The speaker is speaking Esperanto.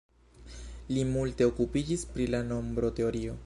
Li multe okupiĝis pri la nombroteorio.